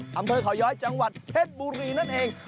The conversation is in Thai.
คัมเทิดข่าวย้อยจังหวัดเพชรบุรีนั่นเอง